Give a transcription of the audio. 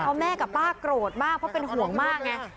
เพราะแม่กับป้าโกรธมากเพราะเป็นห่วงมากไง